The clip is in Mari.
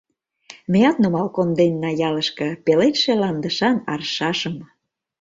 Меат нумал конденна ялышке Пеледше ландышан аршашым…